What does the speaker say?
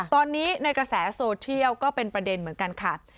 ตอนนี้ในกระแสโซเทียลก็เป็นประเด็นเหมือนกันค่ะ